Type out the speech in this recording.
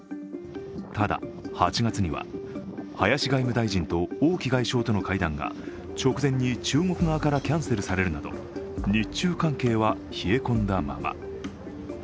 ただ、８月には林外務大臣と王毅外相との会談が直前に中国側からキャンセルされるなど日中関係は冷え込んだまま。